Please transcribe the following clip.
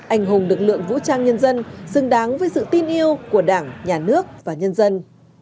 anh hùng lực lượng vũ trang nhân dân xứng đáng với sự tin yêu của đảng nhà nước và nhân dân